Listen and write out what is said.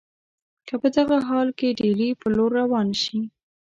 که په دغه حال کې ډهلي پر لور روان شي.